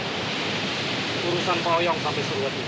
hurusan pak ooyong sampai seluas ini